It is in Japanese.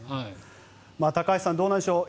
高橋さんどうなんでしょう